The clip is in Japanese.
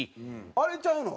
あれちゃうの？